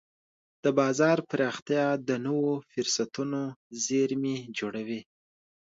د بازار پراختیا د نوو فرصتونو زېرمې جوړوي.